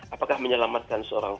apakah menyelamatkan seorang